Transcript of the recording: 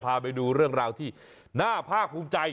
พาไปดูเรื่องราวที่น่าภาคภูมิใจ